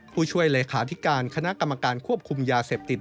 ผู้ช่วยเลขาธิการคณะกรรมการควบคุมยาเสพติด